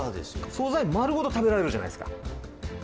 素材丸ごと食べられるじゃないですか。